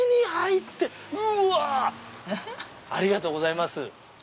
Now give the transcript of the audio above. ありがとうございます。